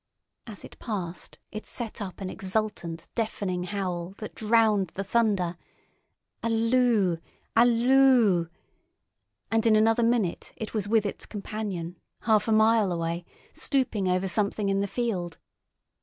As it passed it set up an exultant deafening howl that drowned the thunder—"Aloo! Aloo!"—and in another minute it was with its companion, half a mile away, stooping over something in the field.